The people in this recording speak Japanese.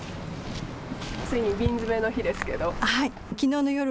ついに瓶詰の日ですけど。